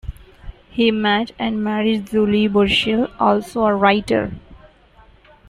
He met and married Julie Burchill, also a writer.